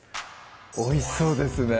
おいしそうですね